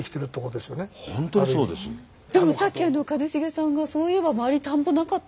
でもさっき一茂さんがそういえば周り田んぼなかったって。